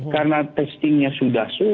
karena testingnya sudah